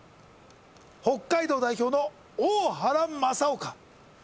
北海道代表の大原正雄か？